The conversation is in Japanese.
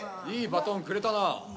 いいバトンくれたな。